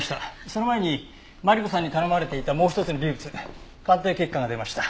その前にマリコさんに頼まれていたもう一つの微物鑑定結果が出ました。